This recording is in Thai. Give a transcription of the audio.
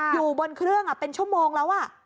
อยู่บนเครื่องเป็นชั่วโมงแล้ว